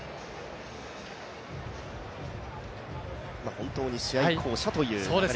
本当に試合巧者という。